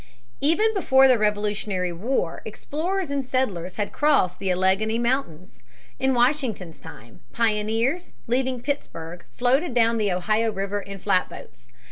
Even before the Revolutionary War explorers and settlers had crossed the Alleghany Mountains. In Washington's time pioneers, leaving Pittsburg, floated down the Ohio River in flatboats.